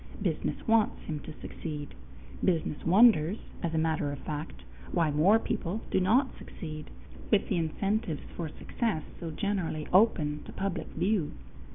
Business wants him to succeed. Business wonders, as a matter of fact, why more people do not succeed, with the incentives for success so generally open to public view.